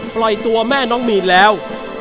ปล่อยตัวแม่น้องมีนแล้ว